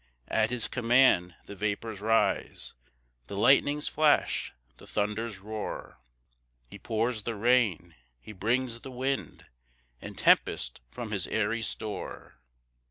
2 At his command the vapours rise, The lightnings flash, the thunders roar; He pours the rain, he brings the wind, And tempest from his airy store.